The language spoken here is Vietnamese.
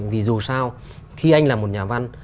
vì dù sao khi anh là một nhà văn